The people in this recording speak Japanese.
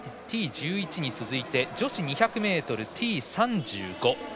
１１に続き女子２００ｍＴ３５。